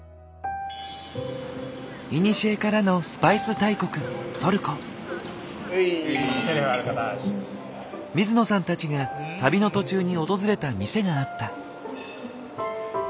古からのスパイス大国水野さんたちが旅の途中に訪れた店があった。